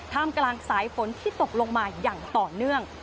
มกลางสายฝนที่ตกลงมาอย่างต่อเนื่อง